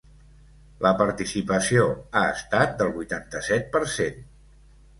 La participació ha estat del vuitanta-set per cent.